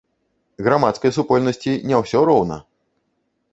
Грамадскай супольнасці не ўсё роўна!